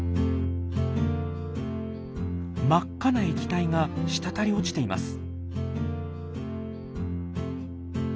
真っ赤な液体が滴り落ちています。